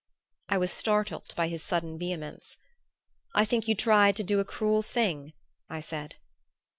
I was startled by his sudden vehemence. "I think you tried to do a cruel thing," I said.